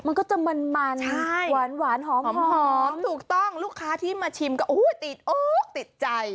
มันก็จะมันมันใช่หวานหวานหอมหอมถูกต้องลูกค้าที่มาชิมก็อู้ยติดอุ๊กติดใจ